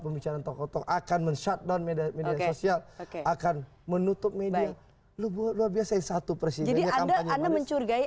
pembicaraan tokoh tokoh akan mencatat media sosial akan menutup media luar biasa satu persis ada mencurigai